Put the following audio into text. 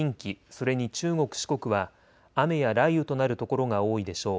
それに中国、四国は雨や雷雨となる所が多いでしょう。